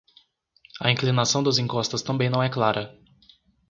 A inclinação das encostas também não é clara.